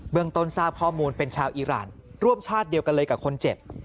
ต้นทราบข้อมูลเป็นชาวอีรานร่วมชาติเดียวกันเลยกับคนเจ็บ